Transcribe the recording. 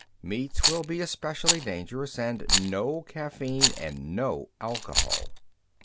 "Meats will be especially dangerous. And no caffeine, and no alcohol."